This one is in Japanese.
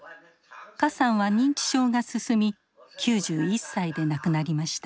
何さんは認知症が進み９１歳で亡くなりました。